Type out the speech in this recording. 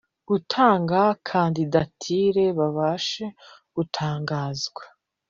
gutanga candidature babashe gutangazwe